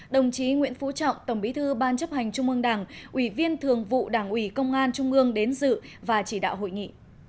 đồng chí nguyễn phú trọng tổng bí thư ban chấp hành trung ương đảng ủy viên thường vụ đảng ủy công an trung ương đến dự và chỉ đạo hội nghị